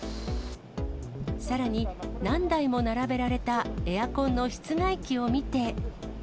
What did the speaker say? さらに、何台も並べられたエアコンの室外機を見て。